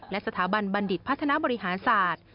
และสถาบันบัณฑิตพัฒนาบริหารศาสตร์